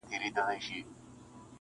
هره ورځ به یې کوله پروازونه -